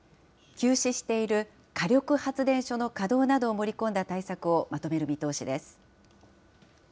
休止している火力発電所の稼働などを盛り込んだ対策をまとめる見通しです。